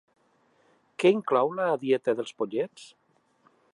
Què inclou la dieta dels pollets?